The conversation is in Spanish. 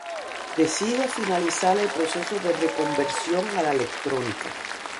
Decide finalizar el proceso de reconversión a la electrónica.